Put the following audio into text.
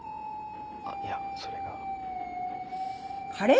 あっいやそれが。